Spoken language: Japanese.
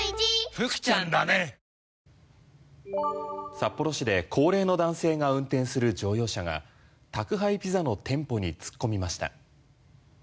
札幌市で高齢の男性が運転する乗用車が宅配ピザの店舗に突っ込みました。